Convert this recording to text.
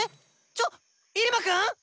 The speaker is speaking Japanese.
ちょっイルマくん⁉